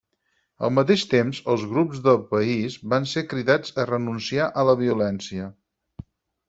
Al mateix temps, els grups del país van ser cridats a renunciar a la violència.